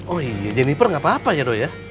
oh iya jennifer nggak apa apa ya dok ya